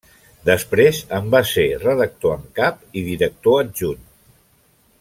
Després en va ser redactor en cap i director adjunt.